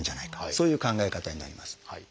そういう考え方になります。